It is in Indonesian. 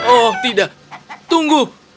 oh tidak tunggu